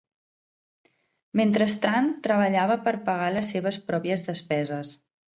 Mentrestant, treballava per pagar les seves pròpies despeses.